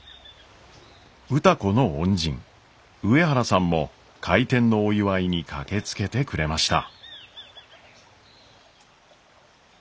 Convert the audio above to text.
歌子の恩人上原さんも開店のお祝いに駆けつけてくれました。